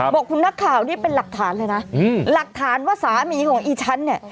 บอกคุณนักข่าวนี่เป็นหลักฐานเลยนะหลักฐานว่าสามีของอีฉันเนี่ย